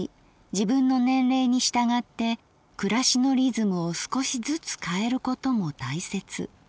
自分の年齢に従って暮しのリズムを少しずつ変えることも大切。